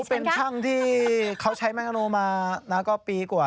เขาเป็นช่างที่เขาใช้แม่งกระโนมานักก็ปีกว่า